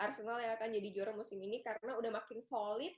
arsenal yang akan jadi juara musim ini karena udah makin solid